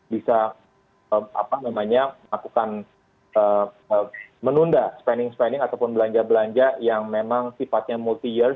bisa melakukan menunda spending spending ataupun belanja belanja yang memang sifatnya multi year